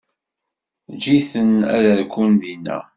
Ǧǧet-iten ad rkun dinna.